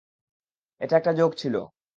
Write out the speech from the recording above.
এটা একটা জোক ছিল!